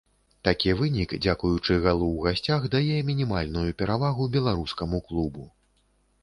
Такі вынік дзякуючы галу ў гасцях дае мінімальную перавагу беларускаму клубу.